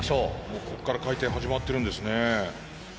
もうこっから回転始まってるんですね。